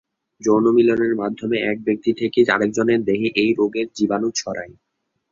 যৌনমিলনের মাধ্যমে এক ব্যক্তি থেকে আরেকজনের দেহে এই রোগের জীবাণু ছড়ায়।